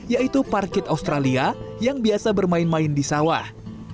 yaitu parkit australia yang biasa bermain main di sawah